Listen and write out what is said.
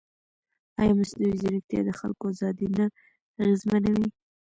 ایا مصنوعي ځیرکتیا د خلکو ازادي نه اغېزمنوي؟